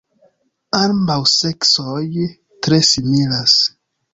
Ambaŭ seksoj tre similas.